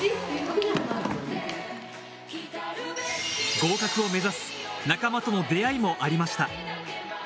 合格を目指す、仲間との出会いもありました。